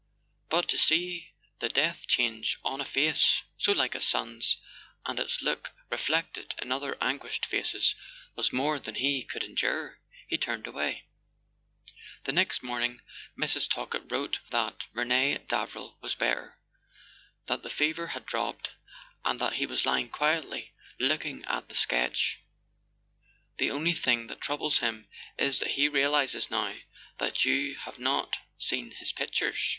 But to see the death change on a face so like his son's, and its look reflected in other anguished faces, was more than he could en¬ dure. He turned away. The next morning Mrs. Talkett wrote that Rene Davril was better, that the fever had dropped, and that he was lying quietly looking at the sketch. "The only thing that troubles him is that he realizes now that you have not seen his pictures.